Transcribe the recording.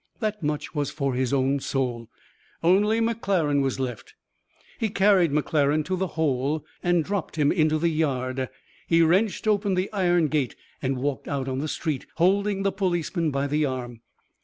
That much was for his own soul. Only McClaren was left. He carried McClaren to the hole and dropped him into the yard. He wrenched open the iron gate and walked out on the street, holding the policeman by the arm.